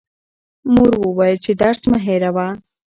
مور وویل چې درس مه هېروه.